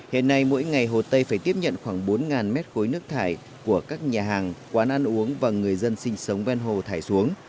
hiện nay mỗi ngày hồ tây phải tiếp nhận khoảng bốn mét khối nước thải của các nhà hàng quán ăn uống và người dân sinh sống ven hồ thải xuống